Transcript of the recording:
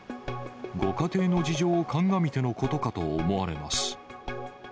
ご家庭の事情を鑑みてのことかと思われます。